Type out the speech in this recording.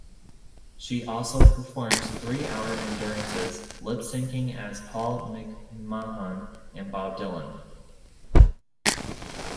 She also performs three-hour endurances, lip-syncing as Paul McMahon and Bob Dylan.